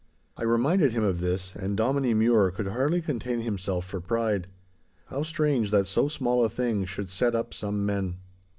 I reminded him of this, and Dominie Mure could hardly contain himself for pride. How strange that so small a thing should set up some men!